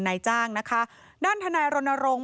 นายจ้างนะคะด้านทนายรณรงค์